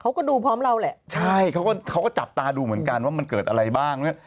เขาก็ดูพร้อมนอนแหละใช่เขาก็จับตาดูเหมือนกันว่ามันเกิดอะไรบ้าง